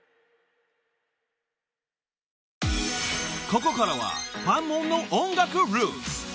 ［ここからはファンモンの音楽ルーツ］